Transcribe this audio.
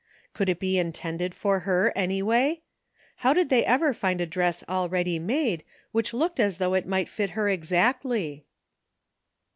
Could it be intended for her, any way? How did they ever find a dress already made, which looked as though it might fit her exactly?